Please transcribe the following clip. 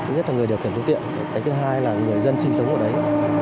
nhất là người điều khiển phương tiện cái thứ hai là người dân sinh sống ở đấy